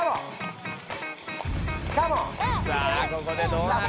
さあここでどうなるか。